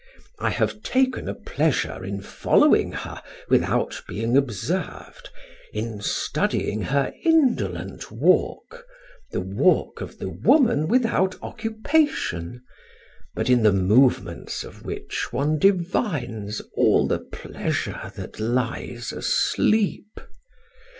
I have taken a pleasure in following her without being observed, in studying her indolent walk, the walk of the woman without occupation, but in the movements of which one devines all the pleasure that lies asleep.